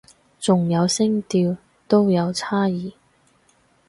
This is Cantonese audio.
仲有聲調都有差異